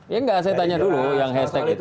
ya enggak saya tanya dulu yang hashtag itu